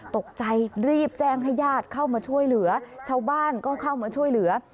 ตกใจรีบแจ้งให้ญาติเข้ามาช่วยเหลือชาวบ้านก็เข้ามาช่วยเหลือ